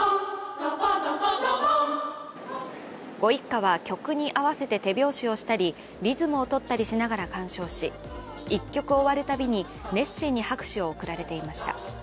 ご一家は曲に合わせて手拍子をしたり、リズムをとったりしながら鑑賞し１曲終わるたびに熱心に拍手を送られていました。